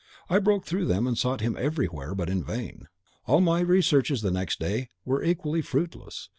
I broke through them, and sought him everywhere, but in vain. All my researches the next day were equally fruitless.